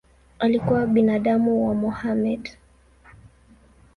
Alikuwa binamu wa Mohamed.